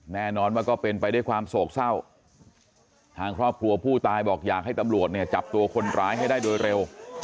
แน่นอนว่าก็เป็นไปด้วยความโศกเศร้าทางครอบครัวผู้ตายบอกอยากให้ตำรวจเนี่ยจับตัวคนร้ายให้ได้โดยเร็ว